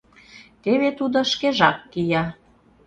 Теве Тудо шкежак кия.